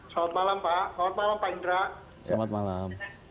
selamat malam pak selamat malam pak indra